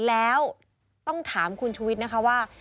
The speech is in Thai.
แล้วต้องถามคุณชุวิตนะคะว่า